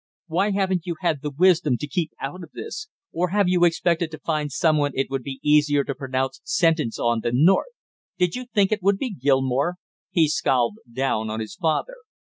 "Why haven't you had the wisdom to keep out of this, or have you expected to find some one it would be easier to pronounce sentence on than North? Did you think it would be Gilmore?" He scowled down on his father.